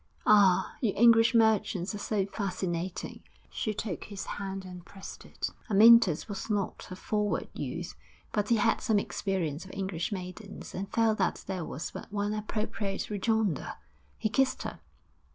'Ah! you English merchants are so fascinating.' She took his hand and pressed it. Amyntas was not a forward youth, but he had some experience of English maidens, and felt that there was but one appropriate rejoinder. He kissed her.